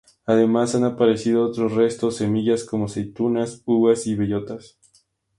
Además han aparecido otros restos semillas como aceitunas, uvas y bellotas.